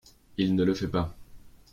Il ne le fait pas.